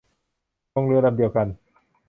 ลงเรือลำเดียวกัน